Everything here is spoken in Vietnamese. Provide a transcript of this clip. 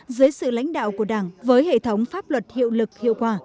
dưới sự lãnh đạo của đảng với hệ thống pháp luật hiệu lực hiệu quả